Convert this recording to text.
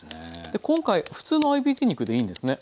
で今回普通の合いびき肉でいいんですね？